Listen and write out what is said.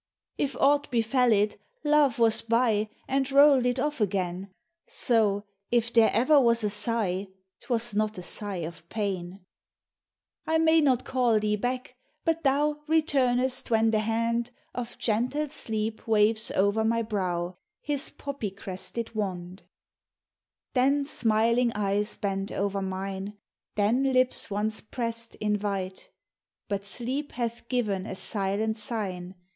If aught befell it. Love was by And rolled it off again; So, if there ever was a sigh, T was not a sigh of pain. I may not call thee back; but thou Returnest when the hand Of gentle Sleep waves o'er my brow His poppy crested wand; Then smiling eyes bend over mine, Then lips once pressed invite; But sleep hath given a silent sign.